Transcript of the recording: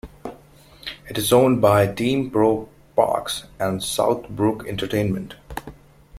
It is owned by Team Pro Parks and South Brook Entertainment.